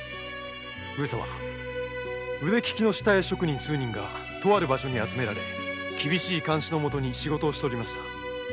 腕利きの下絵職人数人がとある場所に集められ厳しい監視のもとに仕事をしておりました。